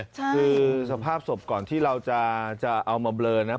คือสภาพศพก่อนที่เราจะเอามาเบลอนะ